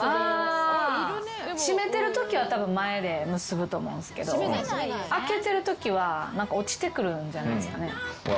あ閉めてるときは前で結ぶと思うんですけど開けてるときは落ちてくるんじゃないですかね。